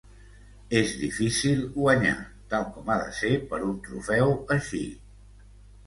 És difícil guanyar, tal com ha de ser per un trofeu així.